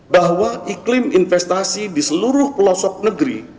bahwa iklim investasi di seluruh pelosok negeri